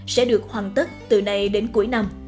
sẽ được hoàn tất từ nay đến cuối năm